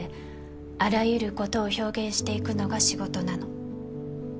あらゆることを表現していくのが仕事なの